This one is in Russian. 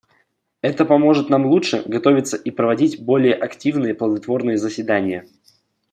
Это поможет нам лучше готовиться и проводить более активные и плодотворные заседания.